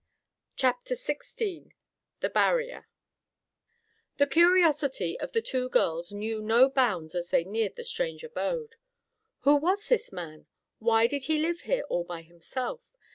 CHAPTER XVI THE BARRIER The curiosity of the two girls knew no bounds as they neared the strange abode. Who was this man? Why did he live here all by himself?